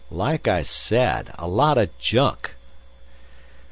"Like I said. A lot of junk."